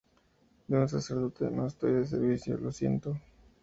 de un sacerdote, no estoy de servicio. lo siento.